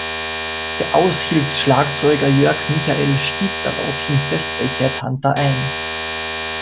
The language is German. Der Aushilfs-Schlagzeuger Jörg Michael stieg daraufhin fest bei Headhunter ein.